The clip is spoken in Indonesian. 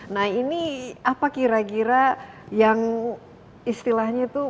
nah ini apa kira kira yang istilahnya itu